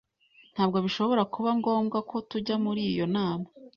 Ntabwo bishobora kuba ngombwa ko tujya muri iyo nama.